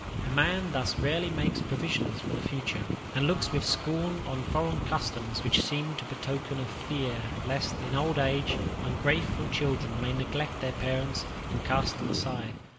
A man thus rarely makes provision for the future, and looks with scorn on foreign customs which seem to betoken a fear lest, in old age, ungrateful children may neglect their parents and cast them aside.